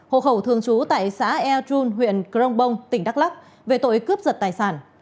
hồ khẩu thường trú tại xã eo trun huyện crong bong tỉnh đắk lắc về tội cướp giật tài sản